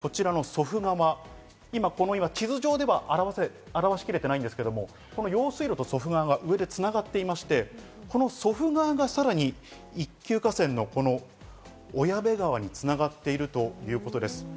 この用水路とこちらの祖父川、地図上では表しきれてないんですけど、用水路と祖父川が上で繋がっていまして、祖父川がさらに一級河川の小矢部川に繋がっているということです。